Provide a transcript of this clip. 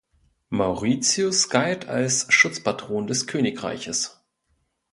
Mauritius galt als Schutzpatron des Königreiches.